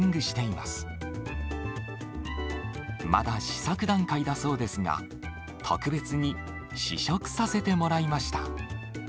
まだ試作段階だそうですが、特別に試食させてもらいました。